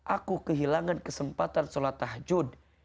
aku kehilangan kesempatan sholat tahajud